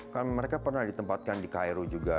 kan mereka pernah ditempatkan di cairo juga